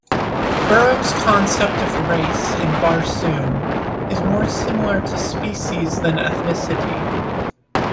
Burroughs' concept of race in Barsoom, is more similar to species than ethnicity.